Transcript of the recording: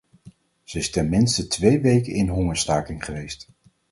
Ze is ten minste twee weken in hongerstaking geweest.